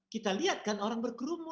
kita lihat kan orang berkerumun masih